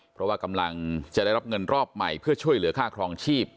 เพราะว่ากำลังจะได้รับเงินรอบใหม่เพื่อช่วยเหลือค่าครองชีพ